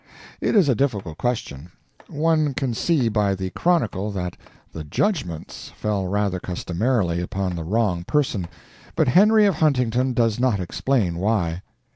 It is a difficult question. One can see by the Chronicle that the "judgments" fell rather customarily upon the wrong person, but Henry of Huntington does not explain why.